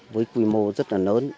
với quy mô rất là lớn